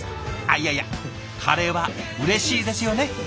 いやいやカレーはうれしいですよね。